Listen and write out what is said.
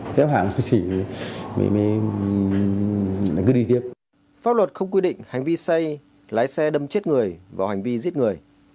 pháp luật không quy định hành vi say lái xe đâm chết người và hành vi giết người